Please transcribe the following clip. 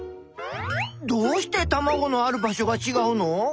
どうしてたまごのある場所がちがうの？